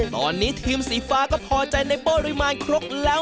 ตอนนี้ทีมสีฟ้าก็พอใจในปริมาณครบแล้ว